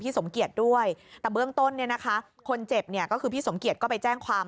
ทีนี้คนเขาเห็นช่วงที่กำลังต่อยกัน